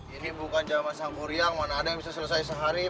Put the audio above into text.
ini bukan jaman sang kuriang mana ada yang bisa selesai sehari